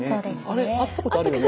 「あれ会ったことあるよね？